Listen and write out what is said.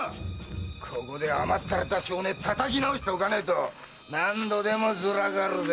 ここで甘ったれた性根たたき直しておかねえと何度でもずらかるぜ！